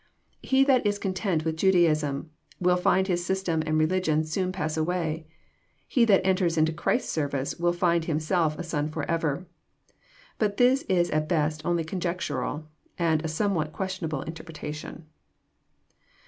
He that is content with Judaism will find his system and religion soon pass away. He that enters into Christ's service will find him self a son forever. But this is at best only conjectural, and a somewhat questionable interpretation.